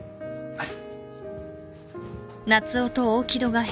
はい。